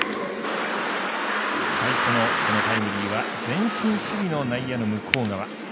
最初のタイムリーは前進守備の内野の向こう側。